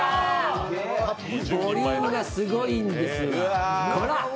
ボリュームがすごいんですよ、ほらっ！